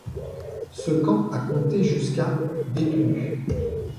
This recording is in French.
Ce camp a compté jusqu'à détenus.